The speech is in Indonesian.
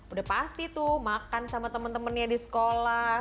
udah pasti tuh makan sama temen temennya di sekolah